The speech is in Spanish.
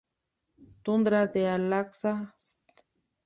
Tundra de Alaska-St.